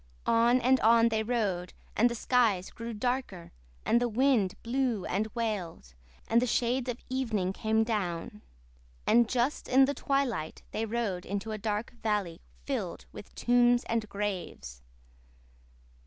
On and on they rode, and the skies grew darker and the wind blew and wailed, and the shades of evening came down. And just in the twilight they rode into a dark valley, filled with tombs and graves.